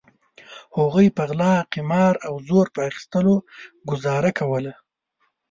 هغوی په غلا قمار او زور په اخیستلو ګوزاره کوله.